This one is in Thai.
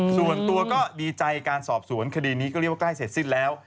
ส่วนตัวก็ดีใจการสอบสวนคดีนี้ก็เรียกว่าใกล้เสร็จสิ้นแล้ว